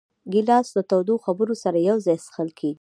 ګیلاس له تودو خبرو سره یو ځای څښل کېږي.